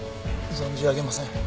存じ上げません。